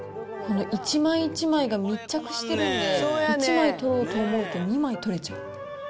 １枚１枚が密着してるんで、１枚取ろうと思うと、２枚取れちゃう。